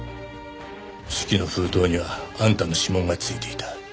手記の封筒にはあんたの指紋がついていた。